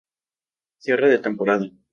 Cierre de temporada.